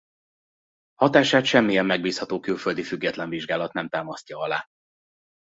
Hatását semmilyen megbízható külföldi független vizsgálat nem támasztja alá.